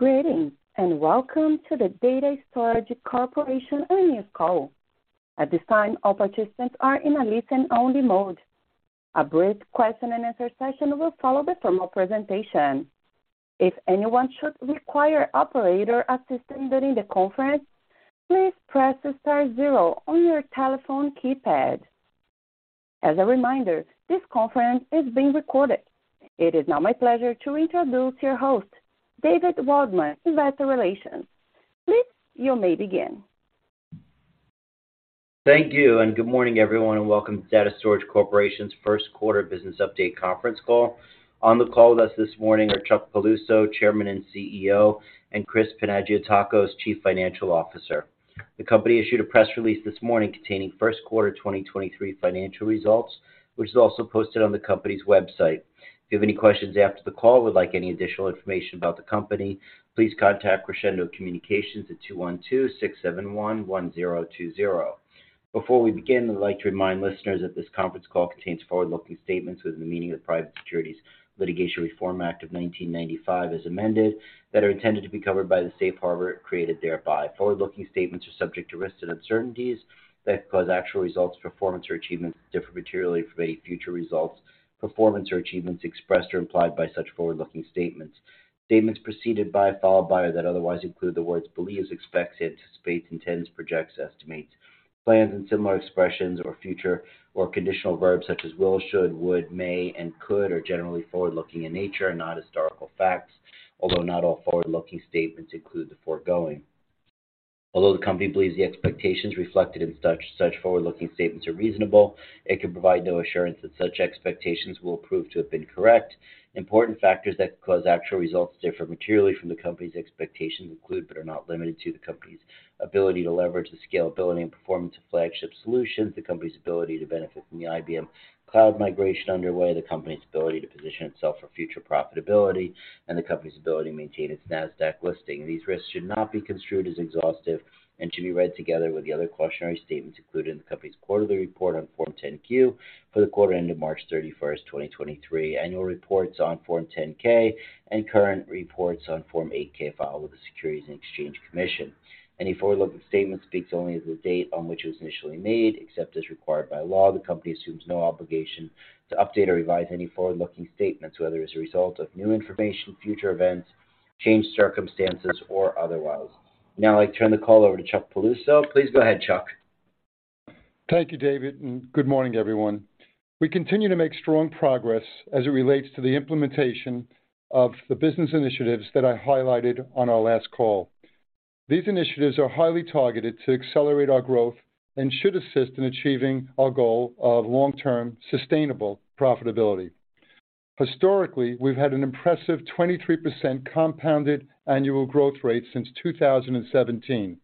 Greetings, welcome to the Data Storage Corporation earnings call. At this time, all participants are in a listen-only mode. A brief question and answer session will follow the formal presentation. If anyone should require operator assistance during the conference, please press star zero on your telephone keypad. As a reminder, this conference is being recorded. It is now my pleasure to introduce your host, David Waldman, Investor Relations. Please, you may begin. Thank you, and good morning, everyone, and welcome to Data Storage Corporation's first quarter 2023 business update conference call. On the call with us this morning are Chuck Piluso, Chairman and CEO; and Chris Panagiotakos, Chief Financial Officer. The company issued a press release this morning containing first quarter 2023 financial results, which is also posted on the company's website. If you have any questions after the call or would like any additional information about the company, please contact Crescendo Communications at 212-671-1020. Before we begin, I'd like to remind listeners that this conference call contains forward-looking statements within the meaning of the Private Securities Litigation Reform Act of 1995 as amended that are intended to be covered by the safe harbor created thereby. Forward-looking statements are subject to risks and uncertainties that cause actual results, performance, or achievements to differ materially from any future results, performance, or achievements expressed or implied by such forward-looking statements. Statements preceded by, followed by, or that otherwise include the words believes, expects, anticipates, intends, projects, estimates, plans and similar expressions or future or conditional verbs such as will, should, would, may, and could are generally forward-looking in nature and not historical facts, although not all forward-looking statements include the foregoing. Although the company believes the expectations reflected in such forward-looking statements are reasonable, it can provide no assurance that such expectations will prove to have been correct. Important factors that could cause actual results to differ materially from the company's expectations include, but are not limited to, the company's ability to leverage the scalability and performance of Flagship Solutions, the company's ability to benefit from the IBM cloud migration underway, the company's ability to position itself for future profitability, and the company's ability to maintain its Nasdaq listing. These risks should not be construed as exhaustive and should be read together with the other cautionary statements included in the company's quarterly report on Form 10-Q for the quarter ending March 31st, 2023, annual reports on Form 10-K, and current reports on Form 8-K filed with the Securities and Exchange Commission. Any forward-looking statement speaks only as of the date on which it was initially made, except as required by law. The company assumes no obligation to update or revise any forward-looking statements, whether as a result of new information, future events, changed circumstances, or otherwise. Now I turn the call over to Chuck Piluso. Please go ahead, Chuck. Thank you, David, and good morning, everyone. We continue to make strong progress as it relates to the implementation of the business initiatives that I highlighted on our last call. These initiatives are highly targeted to accelerate our growth and should assist in achieving our goal of long-term sustainable profitability. Historically, we've had an impressive 23% compounded annual growth rate since 2017,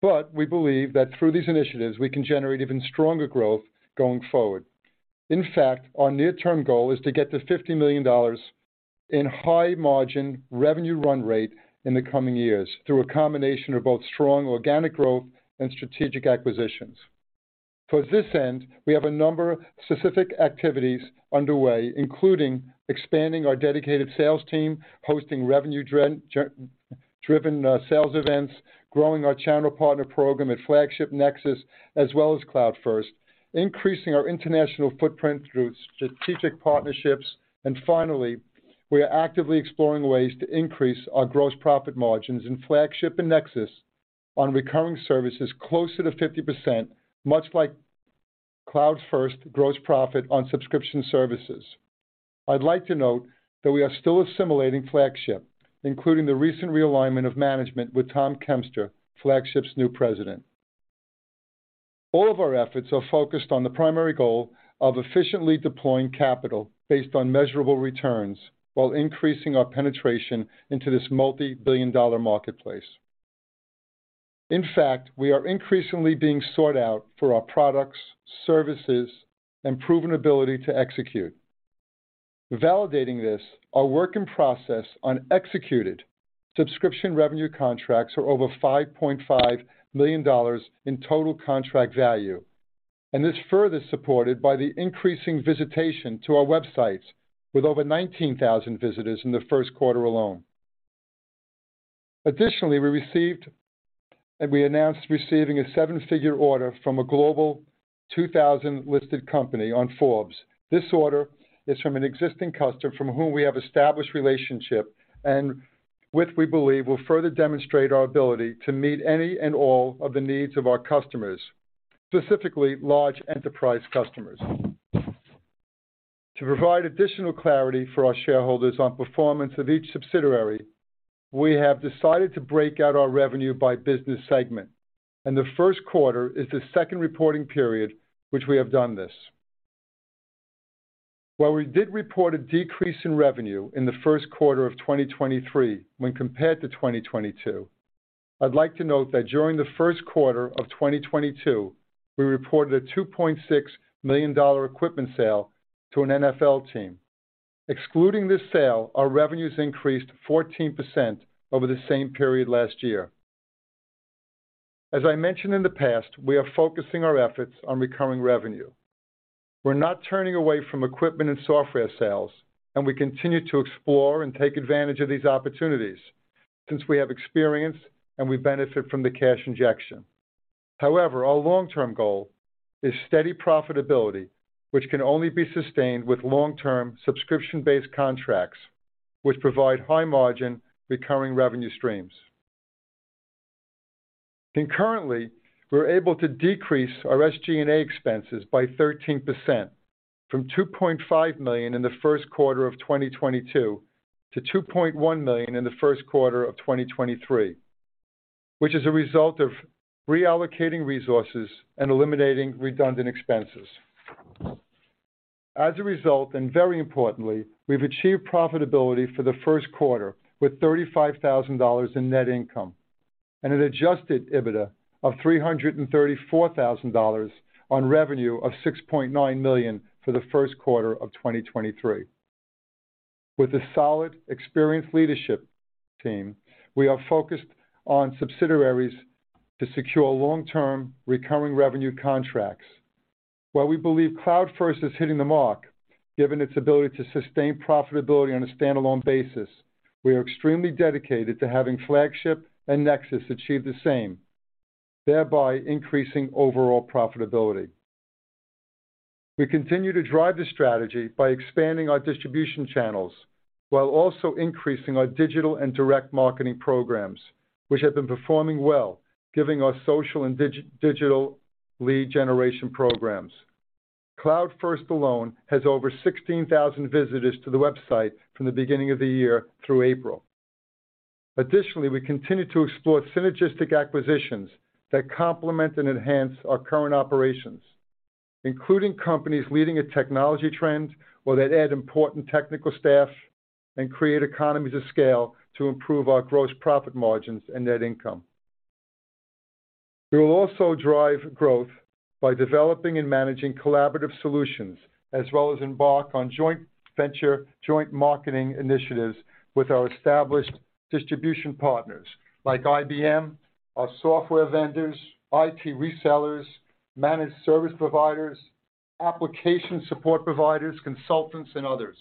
but we believe that through these initiatives, we can generate even stronger growth going forward. In fact, our near-term goal is to get to $50 million in high margin revenue run rate in the coming years through a combination of both strong organic growth and strategic acquisitions. Towards this end, we have a number of specific activities underway, including expanding our dedicated sales team, hosting revenue-driven sales events, growing our channel partner program at Flagship, Nexus, as well as CloudFirst, increasing our international footprint through strategic partnerships. Finally, we are actively exploring ways to increase our gross profit margins in Flagship and Nexus on recurring services closer to 50%, much like CloudFirst gross profit on subscription services. I'd like to note that we are still assimilating Flagship, including the recent realignment of management with Tom Kempster, Flagship's new president. All of our efforts are focused on the primary goal of efficiently deploying capital based on measurable returns while increasing our penetration into this multi-billion dollar marketplace. In fact, we are increasingly being sought out for our products, services, and proven ability to execute. Validating this, our work in process on executed subscription revenue contracts are over $5.5 million in total contract value, and is further supported by the increasing visitation to our websites with over 19,000 visitors in the first quarter alone. Additionally, we announced receiving a seven-figure order from a Forbes Global 2000 listed company. This order is from an existing customer from whom we have established relationship and which we believe will further demonstrate our ability to meet any and all of the needs of our customers, specifically large enterprise customers. To provide additional clarity for our shareholders on performance of each subsidiary, we have decided to break out our revenue by business segment. The first quarter is the second reporting period which we have done this. While we did report a decrease in revenue in the first quarter of 2023 when compared to 2022, I'd like to note that during the first quarter of 2022, we reported a $2.6 million equipment sale to an NFL team. Excluding this sale, our revenues increased 14% over the same period last year. As I mentioned in the past, we are focusing our efforts on recurring revenue. We're not turning away from equipment and software sales, and we continue to explore and take advantage of these opportunities since we have experience and we benefit from the cash injection. However, our long-term goal is steady profitability, which can only be sustained with long-term subscription-based contracts, which provide high margin recurring revenue streams. Concurrently, we're able to decrease our SG&A expenses by 13% from $2.5 million in the first quarter of 2022 to $2.1 million in the first quarter of 2023, which is a result of reallocating resources and eliminating redundant expenses. As a result, and very importantly, we've achieved profitability for the first quarter with $35,000 in net income and an adjusted EBITDA of $334,000 on revenue of $6.9 million for the first quarter of 2023. With a solid, experienced leadership team, we are focused on subsidiaries to secure long-term recurring revenue contracts. While we believe CloudFirst is hitting the mark, given its ability to sustain profitability on a standalone basis, we are extremely dedicated to having Flagship and Nexus achieve the same, thereby increasing overall profitability. We continue to drive the strategy by expanding our distribution channels while also increasing our digital and direct marketing programs, which have been performing well, giving our social and digital lead generation programs. CloudFirst alone has over 16,000 visitors to the website from the beginning of the year through April. Additionally, we continue to explore synergistic acquisitions that complement and enhance our current operations, including companies leading a technology trend or that add important technical staff and create economies of scale to improve our gross profit margins and net income. We will also drive growth by developing and managing collaborative solutions as well as embark on joint venture, joint marketing initiatives with our established distribution partners like IBM, our software vendors, IT resellers, managed service providers, application support providers, consultants, and others.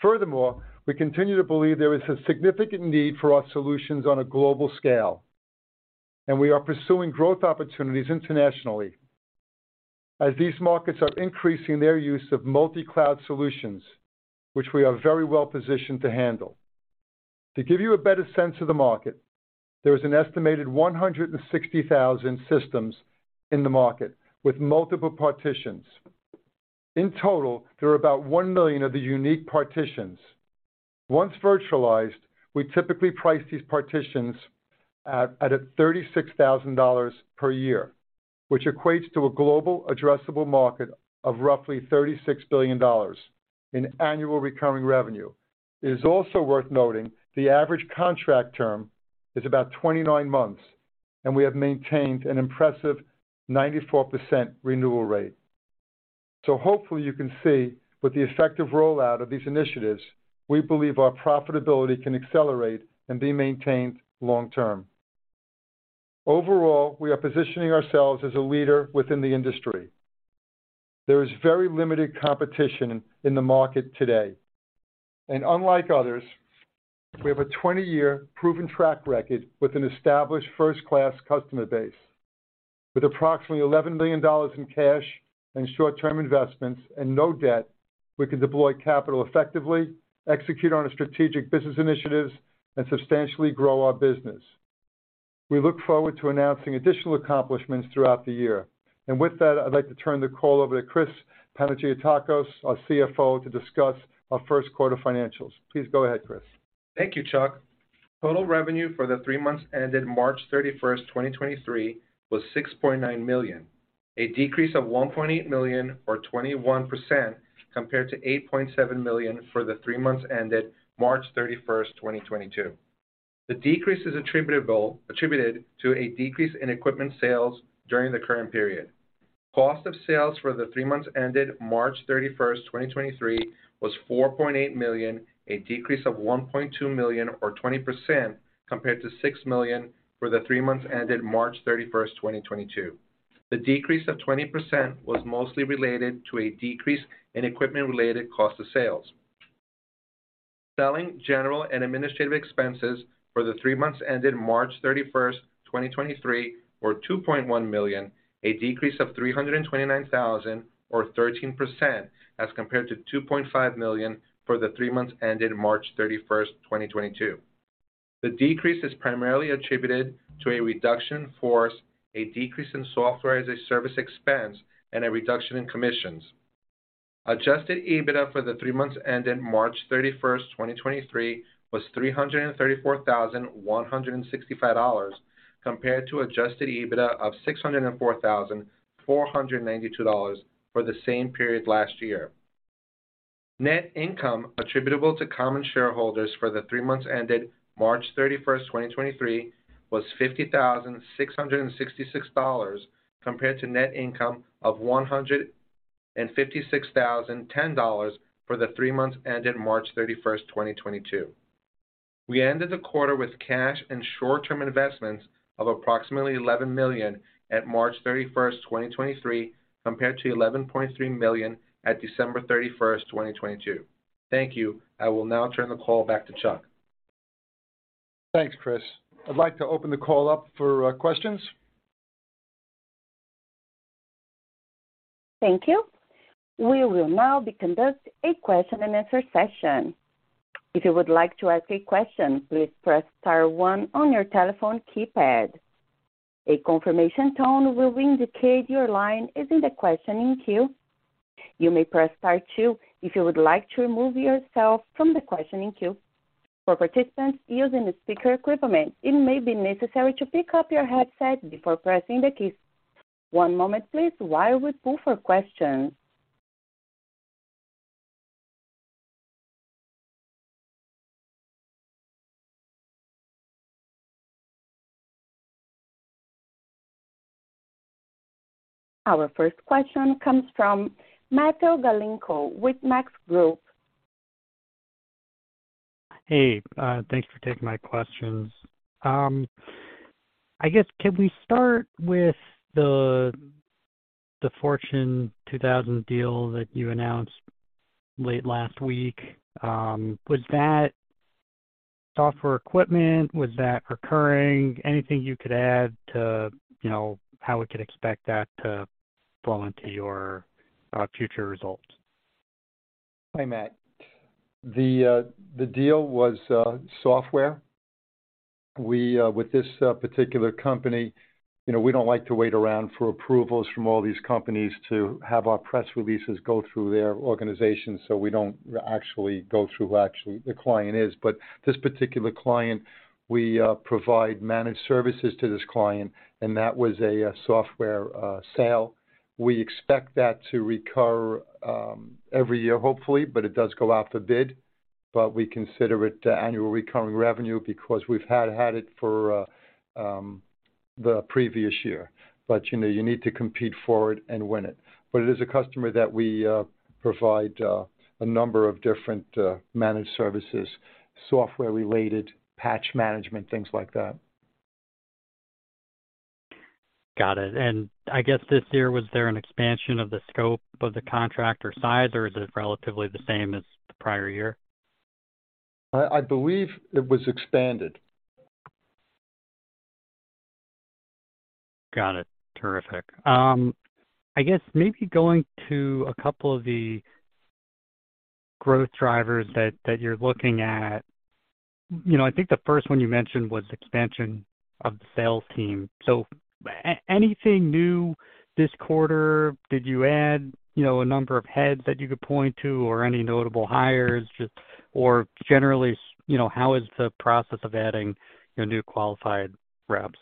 Furthermore, we continue to believe there is a significant need for our solutions on a global scale, and we are pursuing growth opportunities internationally as these markets are increasing their use of multi-cloud solutions, which we are very well-positioned to handle. To give you a better sense of the market, there is an estimated 160,000 systems in the market with multiple partitions. In total, there are about 1 million of the unique partitions. Once virtualized, we typically price these partitions at a $36,000 per year, which equates to a global addressable market of roughly $36 billion in annual recurring revenue. It is also worth noting the average contract term is about 29 months, and we have maintained an impressive 94% renewal rate. Hopefully you can see with the effective rollout of these initiatives, we believe our profitability can accelerate and be maintained long term. Overall, we are positioning ourselves as a leader within the industry. There is very limited competition in the market today, and unlike others, we have a 20-year proven track record with an established first-class customer base. With approximately $11 million in cash and short-term investments and no debt, we can deploy capital effectively, execute on our strategic business initiatives, and substantially grow our business. We look forward to announcing additional accomplishments throughout the year. With that, I'd like to turn the call over to Chris Panagiotakos, our CFO, to discuss our first quarter financials. Please go ahead, Chris. Thank you, Chuck. Total revenue for the three months ended March 31st, 2023 was $6.9 million, a decrease of $1.8 million or 21% compared to $8.7 million for the three months ended March 31st, 2022. The decrease is attributed to a decrease in equipment sales during the current period. Cost of sales for the three months ended March thirty-first, 2023 was $4.8 million, a decrease of $1.2 million or 20% compared to $6 million for the three months ended March 31st, 2022. The decrease of 20% was mostly related to a decrease in equipment-related cost of sales. Selling, general, and administrative expenses for the three months ended March 31st, 2023 were $2.1 million, a decrease of $329,000 or 13% as compared to $2.5 million for the three months ended March 31st, 2022. The decrease is primarily attributed to a reduction in force, a decrease in software as a service expense, and a reduction in commissions. Adjusted EBITDA for the three months ended March 31st, 2023 was $334,165 compared to adjusted EBITDA of $604,492 for the same period last year. Net income attributable to common shareholders for the three months ended March 31st, 2023 was $50,666 compared to net income of $156,010 for the three months ended March 31st, 2022. We ended the quarter with cash and short-term investments of approximately $11 million at March 31st, 2023, compared to $11.3 million at December 31st, 2022. Thank you. I will now turn the call back to Chuck. Thanks, Chris. I'd like to open the call up for questions. Thank you. We will now be conduct a question-and-answer session. If you would like to ask a question, please press star one on your telephone keypad. A confirmation tone will indicate your line is in the questioning queue. You may press star two if you would like to remove yourself from the questioning queue. For participants using speaker equipment, it may be necessary to pick up your headset before pressing the keys. One moment, please, while we pull for questions. Our first question comes from Matthew Galinko with Maxim Group. Hey, thanks for taking my questions. I guess, can we start with the Fortune 2000 deal that you announced late last week? Was that software equipment? Was that recurring? Anything you could add to, you know, how we could expect that to fall into your future results? Hi, Matt. The deal was software. We with this particular company, you know, we don't like to wait around for approvals from all these companies to have our press releases go through their organization, so we don't actually go through who actually the client is. This particular client, we provide managed services to this client, and that was a software sale. We expect that to recur every year, hopefully, but it does go out for bid. We consider it annual recurring revenue because we've had it for the previous year. You know, you need to compete for it and win it. It is a customer that we provide a number of different managed services, software related, patch management, things like that. Got it. I guess this year, was there an expansion of the scope of the contract or size, or is it relatively the same as the prior year? I believe it was expanded. Got it. Terrific. I guess maybe going to a couple of the growth drivers that you're looking at. You know, I think the first one you mentioned was expansion of the sales team. Anything new this quarter? Did you add, you know, a number of heads that you could point to or any notable hires? Just or generally, you know, how is the process of adding your new qualified reps?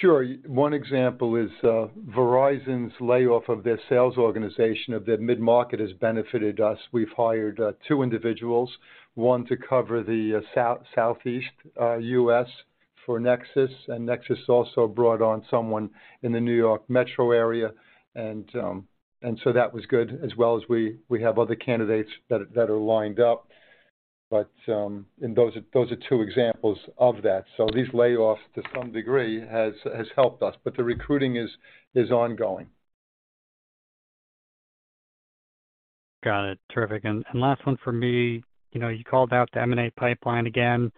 Sure. One example is Verizon's layoff of their sales organization of their mid-market has benefited us. We've hired two individuals, one to cover the South-Southeast U.S. for Nexus. Nexus also brought on someone in the New York metro area. That was good as well as we have other candidates that are lined up. Those are two examples of that. These layoffs, to some degree, has helped us, but the recruiting is ongoing. Got it. Terrific. Last one for me. You know, you called out the M&A pipeline again,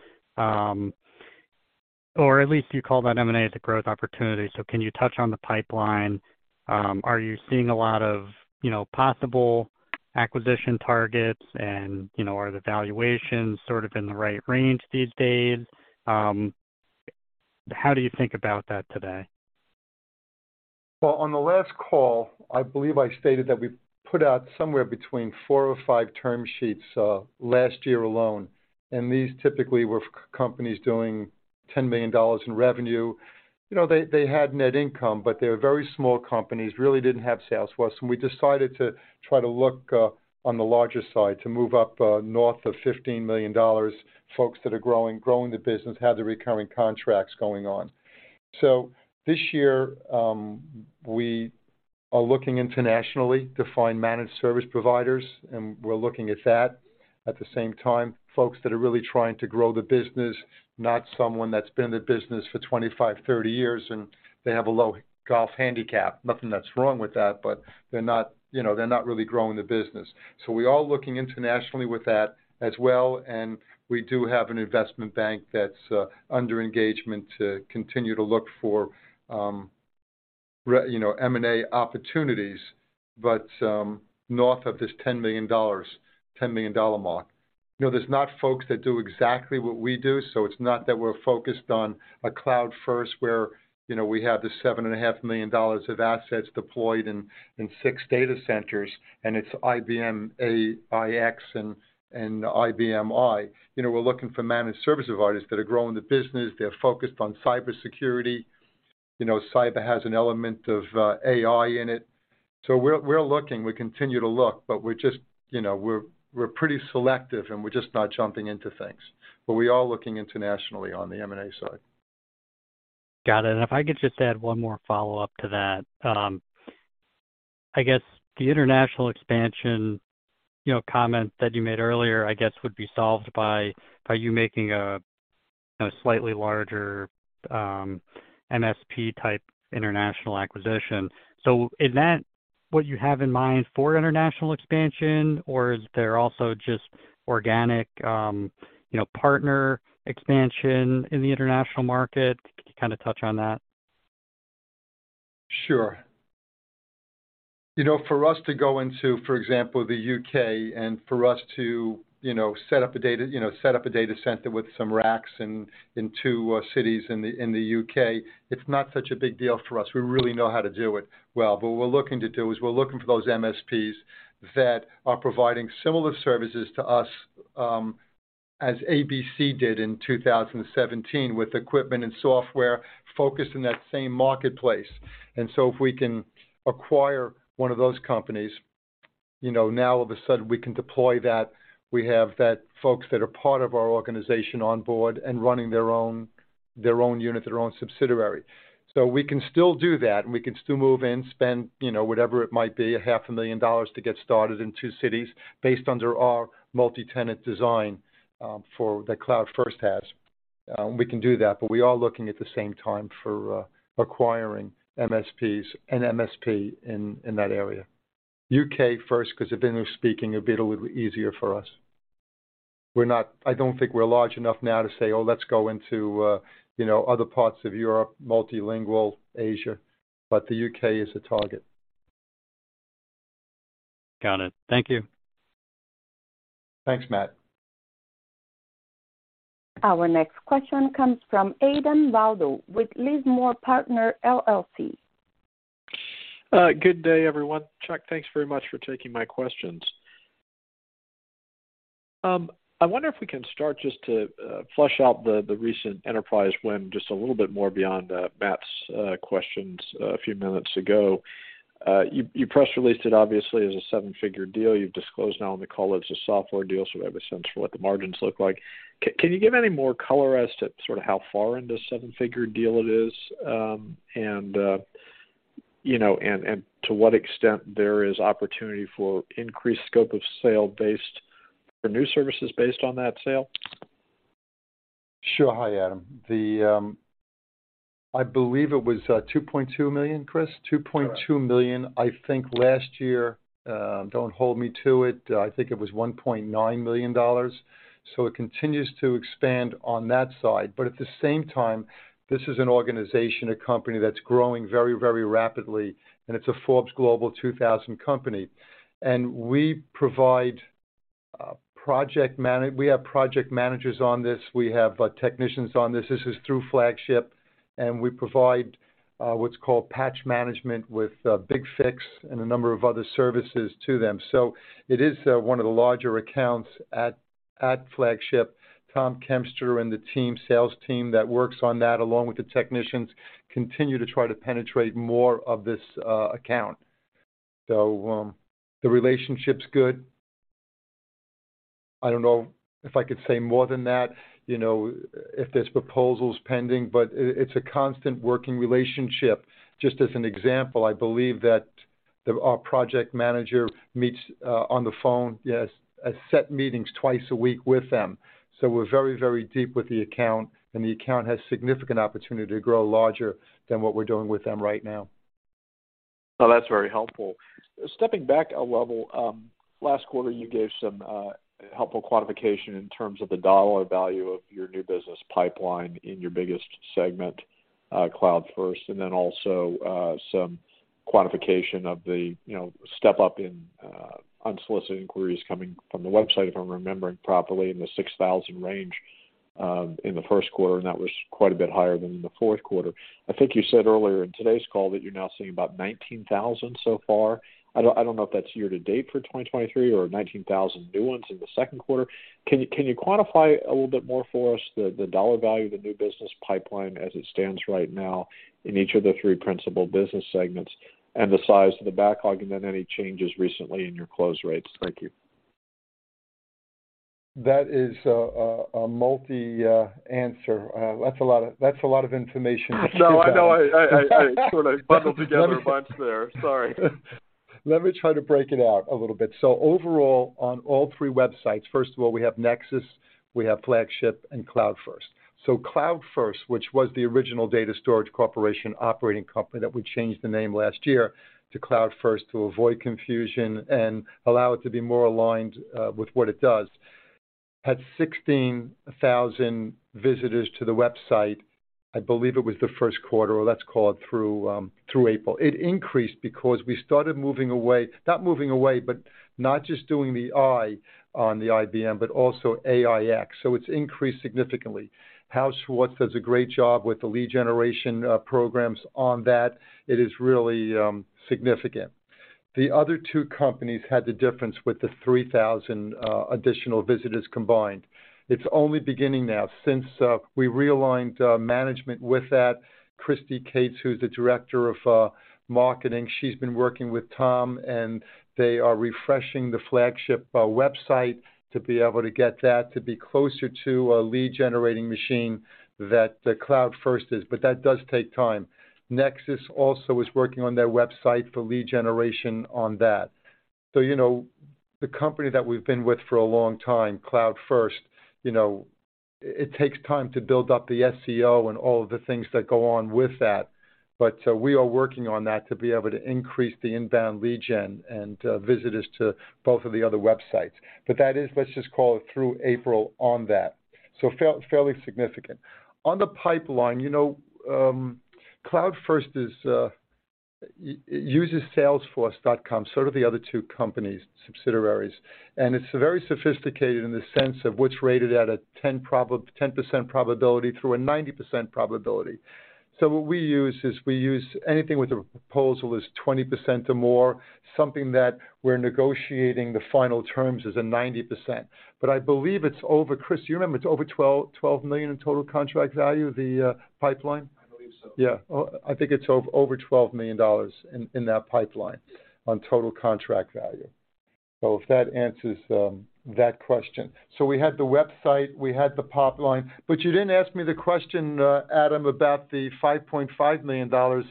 or at least you called out M&A as a growth opportunity. Can you touch on the pipeline? Are you seeing a lot of, you know, possible acquisition targets? You know, are the valuations sort of in the right range these days? How do you think about that today? On the last call, I believe I stated that we put out somewhere between four or five term sheets last year alone. These typically were companies doing $10 million in revenue. You know, they had net income, but they were very small companies, really didn't have sales force. We decided to try to look on the larger side to move up north of $15 million, folks that are growing the business, have the recurring contracts going on. This year, we are looking internationally to find managed service providers, and we're looking at that. At the same time, folks that are really trying to grow the business, not someone that's been in the business for 25, 30 years, and they have a low golf handicap. Nothing that's wrong with that, but they're not, you know, they're not really growing the business. We are looking internationally with that as well, and we do have an investment bank that's under engagement to continue to look for, you know, M&A opportunities, but north of this $10 million, $10 million mark. You know, there's not folks that do exactly what we do, so it's not that we're focused on a CloudFirst where, you know, we have the $7.5 million of assets deployed in six data centers, and it's IBM AIX and IBM i. You know, we're looking for managed service providers that are growing the business. They're focused on cybersecurity. You know, cyber has an element of AI in it. We're looking, we continue to look, but we're just, you know, we're pretty selective, and we're just not jumping into things. We are looking internationally on the M&A side. Got it. If I could just add one more follow-up to that. I guess the international expansion, you know, comment that you made earlier, I guess, would be solved by you making a slightly larger, MSP-type international acquisition. Is that what you have in mind for international expansion? Is there also just organic, you know, partner expansion in the international market? Could you kind of touch on that? Sure. You know, for us to go into, for example, the U.K., and for us to, you know, set up a data center with some racks in two cities in the, in the U.K., it's not such a big deal for us. We really know how to do it well. What we're looking to do is we're looking for those MSPs that are providing similar services to us, as ABC did in 2017 with equipment and software focused in that same marketplace. If we can acquire one of those companies, you know, now all of a sudden we can deploy that. We have that folks that are part of our organization on board and running their own unit, their own subsidiary. We can still do that, and we can still move in, spend, you know, whatever it might be, a half a million dollars to get started in two cities based under our multi-tenant design for the CloudFirst has. We can do that, we are looking at the same time for acquiring MSPs, an MSP in that area. U.K. first, 'cause they're English speaking, it'll be a little easier for us. I don't think we're large enough now to say, "Oh, let's go into, you know, other parts of Europe, multilingual Asia," but the U.K. is a target. Got it. Thank you. Thanks, Matt. Our next question comes from Adam Waldo with Lismore Partners LLC. Good day, everyone. Chuck, thanks very much for taking my questions. I wonder if we can start just to flush out the recent enterprise win just a little bit more beyond Matt's questions a few minutes ago. You press released it obviously as a seven-figure deal. You've disclosed now on the call it's a software deal, we have a sense for what the margins look like. Can you give any more color as to sort of how far in the seven-figure deal it is, and you know, and to what extent there is opportunity for increased scope of sale for new services based on that sale? Sure. Hi, Adam. The, I believe it was, $2.2 million, Chris? Correct. $2.2 million. I think last year, don't hold me to it, I think it was $1.9 million. It continues to expand on that side. At the same time, this is an organization, a company that's growing very, very rapidly, and it's a Forbes Global 2000 company. We have project managers on this. We have technicians on this. This is through Flagship, we provide what's called patch management with BigFix and a number of other services to them. It is one of the larger accounts at Flagship. Tom Kempster and the team, sales team that works on that, along with the technicians, continue to try to penetrate more of this account. The relationship's good. I don't know if I could say more than that, you know, if there's proposals pending, but it's a constant working relationship. Just as an example, I believe that our project manager meets on the phone, he has set meetings twice a week with them. We're very deep with the account, and the account has significant opportunity to grow larger than what we're doing with them right now. No, that's very helpful. Stepping back a level, last quarter, you gave some helpful quantification in terms of the dollar value of your new business pipeline in your biggest segment, CloudFirst, some quantification of the, you know, step up in unsolicited inquiries coming from the website, if I'm remembering properly, in the 6,000 range in the first quarter. That was quite a bit higher than in the fourth quarter. I think you said earlier in today's call that you're now seeing about 19,000 so far. I don't know if that's year to date for 2023 or 19,000 new ones in the second quarter. Can you quantify a little bit more for us the dollar value of the new business pipeline as it stands right now in each of the three principal business segments and the size of the backlog and then any changes recently in your close rates? Thank you. That is a multi-answer. That's a lot of information to keep up. No, I know. I sort of bundled together a bunch there. Sorry. Let me try to break it out a little bit. Overall, on all three websites, first of all, we have Nexus, we have Flagship and CloudFirst. CloudFirst, which was the original Data Storage Corporation operating company that we changed the name last year to CloudFirst to avoid confusion and allow it to be more aligned with what it does, had 16,000 visitors to the website, I believe it was the first quarter, or let's call it through April. It increased because we started not just doing the I on the IBM, but also AIX. It's increased significantly. Hal Schwartz does a great job with the lead generation programs on that. It is really significant. The other two companies had the difference with the 3,000 additional visitors combined. It's only beginning now. Since we realigned management with that, Christy Cates, who's the director of marketing, she's been working with Tom. They are refreshing the Flagship website to be able to get that to be closer to a lead-generating machine that the CloudFirst is. That does take time. Nexus also is working on their website for lead generation on that. You know, the company that we've been with for a long time, CloudFirst, you know, it takes time to build up the SEO and all of the things that go on with that. We are working on that to be able to increase the inbound lead gen and visitors to both of the other websites. That is let's just call it through April on that. Fairly significant. On the pipeline, you know, CloudFirst uses Salesforce.com, so do the other two companies, subsidiaries. It's very sophisticated in the sense of what's rated at a 10% probability through a 90% probability. What we use is we use anything with a proposal is 20% or more, something that we're negotiating the final terms is a 90%. I believe it's over. Chris, do you remember? It's over $12 million in total contract value of the pipeline? I believe so. Yeah. I think it's over $12 million in that pipeline on total contract value. If that answers, that question. We had the website, we had the pipeline. You didn't ask me the question, Adam, about the $5.5 million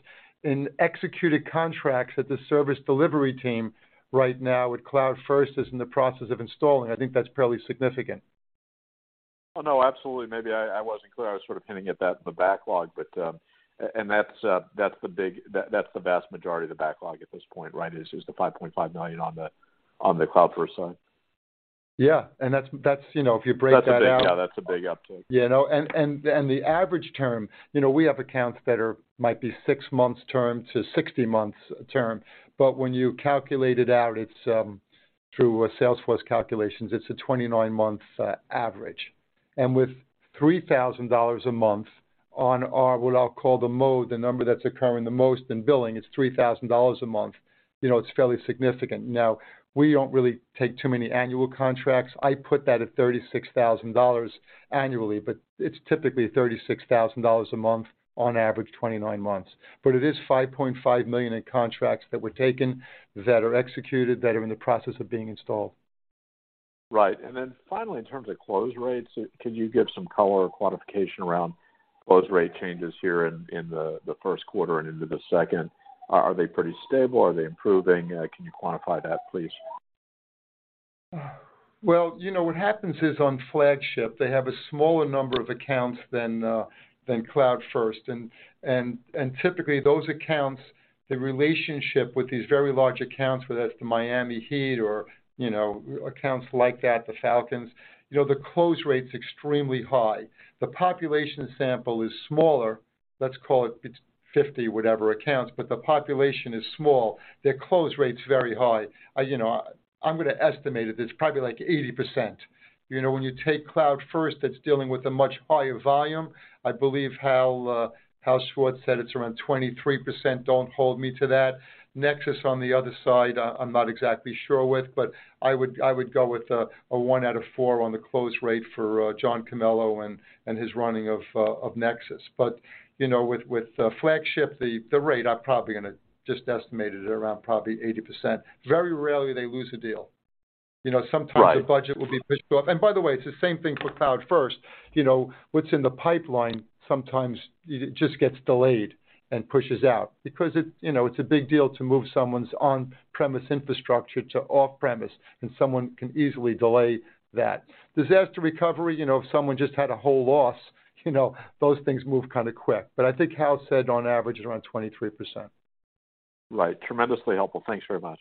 in executed contracts that the service delivery team right now with CloudFirst is in the process of installing. I think that's probably significant. Oh, no, absolutely. Maybe I wasn't clear. I was sort of hinting at that in the backlog. That's the vast majority of the backlog at this point, right? Is the $5.5 million on the, on the CloudFirst side. Yeah. That's, you know, if you break that out- Yeah, that's a big uptick. The average term, you know, we have accounts that might be six months term to 60 months term. When you calculate it out, it's through a Salesforce calculations, it's a 29 month average. With $3,000 a month on our what I'll call the mode, the number that's occurring the most in billing, it's $3,000 a month. You know, it's fairly significant. Now, we don't really take too many annual contracts. I put that at $36,000 annually, it's typically $36,000 a month on average, 29 months. It is $5.5 million in contracts that were taken, that are executed, that are in the process of being installed. Right. Then finally, in terms of close rates, can you give some color or quantification around close rate changes here in the first quarter and into the second? Are they pretty stable? Are they improving? Can you quantify that, please? Well, you know, what happens is on Flagship, they have a smaller number of accounts than CloudFirst. Typically those accounts, the relationship with these very large accounts, whether that's the Miami Heat or, you know, accounts like that, the Falcons, you know, the close rate's extremely high. The population sample is smaller. Let's call it it's 50, whatever accounts, but the population is small. Their close rate's very high. You know, I'm gonna estimate it. It's probably like 80%. You know, when you take CloudFirst that's dealing with a much higher volume, I believe Hal Schwartz said it's around 23%. Don't hold me to that. Nexus, on the other side, I'm not exactly sure with, I would go with a one out of four on the close rate for John Camello and his running of Nexus. You know, with Flagship, the rate, I'm probably gonna just estimate it at around probably 80%. Very rarely they lose a deal. You know. Right. Sometimes the budget will be pushed up. By the way, it's the same thing for CloudFirst. You know, what's in the pipeline, sometimes it just gets delayed and pushes out because it, you know, it's a big deal to move someone's on-premise infrastructure to off-premise, and someone can easily delay that. Disaster recovery, you know, if someone just had a whole loss, you know, those things move kinda quick. I think Hal said on average, around 23%. Right. Tremendously helpful. Thanks very much.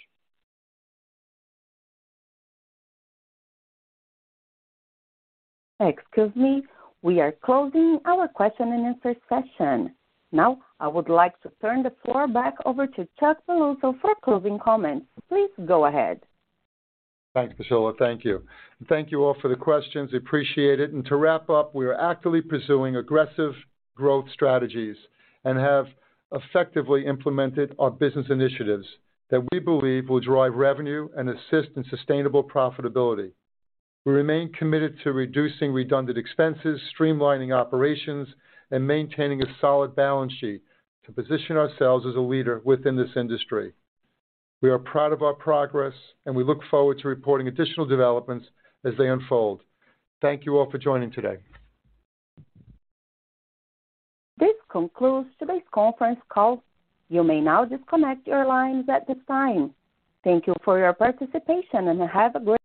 Excuse me. We are closing our question and answer session. Now, I would like to turn the floor back over to Chuck Piluso for closing comments. Please go ahead. Thanks, Priscilla. Thank you. Thank you all for the questions. We appreciate it. To wrap up, we are actively pursuing aggressive growth strategies and have effectively implemented our business initiatives that we believe will drive revenue and assist in sustainable profitability. We remain committed to reducing redundant expenses, streamlining operations, and maintaining a solid balance sheet to position ourselves as a leader within this industry. We are proud of our progress, and we look forward to reporting additional developments as they unfold. Thank you all for joining today. This concludes today's conference call. You may now disconnect your lines at this time. Thank you for your participation, and have a great-